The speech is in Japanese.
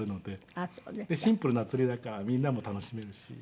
でシンプルな釣りだからみんなも楽しめるし。